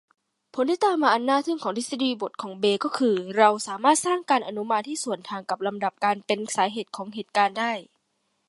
ผลที่ตามมาอันน่าทึ่งของทฤษฎีบทของเบย์ก็คือเราสามารถสร้างการอนุมานที่สวนทางกับลำดับการเป็นสาเหตุของเหตุการณ์ได้